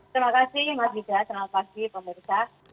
terima kasih mas bida selamat pagi pemirsa